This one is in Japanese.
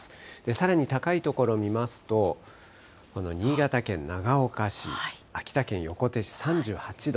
さらに高い所見ますと、新潟県長岡市、秋田県横手市３８度。